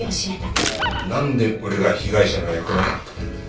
なんで俺が被害者の役なんだ。